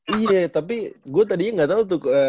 iya tapi gue tadinya gak tau tuh